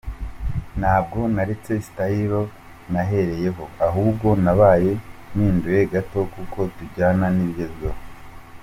Ntabwo naretse style nahereyeho, ahubwo nabaye mpinduyeho gato kuko tujyana n’ibigezweho.